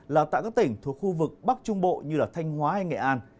là tại các tỉnh thuộc khu vực bắc trung bộ như thanh hóa hay nghệ an